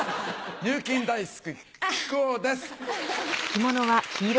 入金大好き木久扇です！